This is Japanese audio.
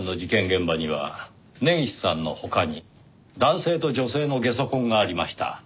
現場には根岸さんの他に男性と女性のゲソ痕がありました。